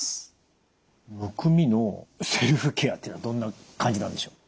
むくみのセルフケアっていうのはどんな感じなんでしょう？